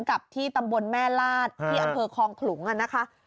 กับที่ตำบลแม่ลาดที่อำเภอคลองขลุงนะคะ